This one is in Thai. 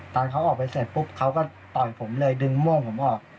ตอนเขาออกไปเสร็จปุ๊บเขาก็ต่อยผมเลยดึงม่วงผมออก